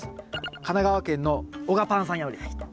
神奈川県のおがぱんさんより。